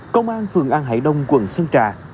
công an phường an hải đông quận sơn trà